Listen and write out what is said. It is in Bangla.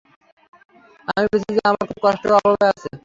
আমি বলেছি যে, আমরা খুব কষ্টে ও অভাবে আছি।